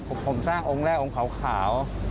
ผมสร้างองค์แรกองค์ขาว